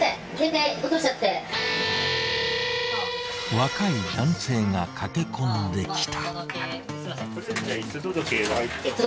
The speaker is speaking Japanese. ［若い男性が駆け込んできた］